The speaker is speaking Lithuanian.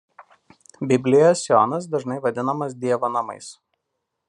Biblijoje Sionas dažnai vadinamas dievo namais.